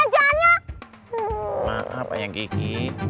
ya jadi berantakan belajarnya apa yang gigi